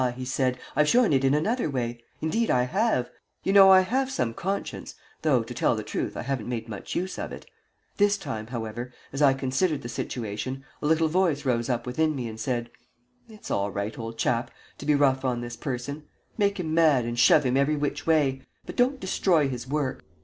he said, "I've shown it in another way. Indeed I have. You know I have some conscience, though, to tell the truth, I haven't made much use of it. This time, however, as I considered the situation, a little voice rose up within me and said: 'It's all right, old chap, to be rough on this person; make him mad and shove him every which way; but don't destroy his work.